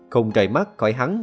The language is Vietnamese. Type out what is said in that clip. không trời mắt khỏi hắn